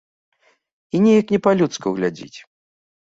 І нейк не па-людску глядзіць.